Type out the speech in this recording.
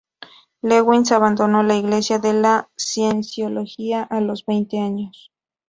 Lewis abandonó la iglesia de la Cienciología a los veinte años.